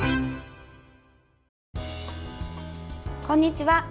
こんにちは。